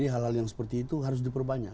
hal hal yang seperti itu harus diperbanyak